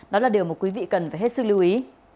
đó là điều mà quý vị cần phải hết sức lưu ý